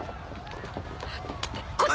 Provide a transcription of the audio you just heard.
あっ。